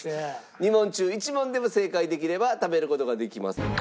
２問中１問でも正解できれば食べる事ができます。